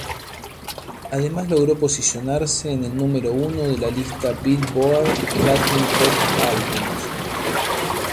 Además logró posicionarse en el número uno de la lista "Billboard" Latin Pop Albums.